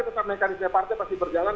tetap mekanisme partai pasti berjalan